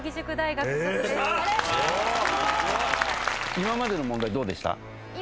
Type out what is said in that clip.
今までの問題どうでした？